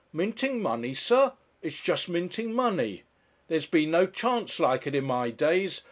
'Minting money, sir; it's just minting money. There's been no chance like it in my days.